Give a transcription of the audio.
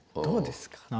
どうですか？